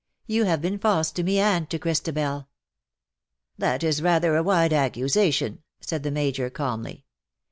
You have been false to me and to Christabel \'' "That is rather a wide accusation/^ said the Major^ calmly.